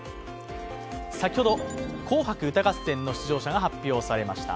先ほど、「紅白歌合戦」の出場者が発表されました。